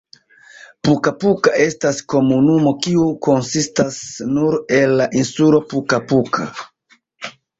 Puka-Puka estas komunumo kiu konsistas nur el la insulo Puka-Puka.